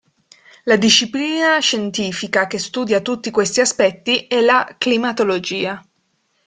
La disciplina scientifica che studia tutti questi aspetti è la climatologia.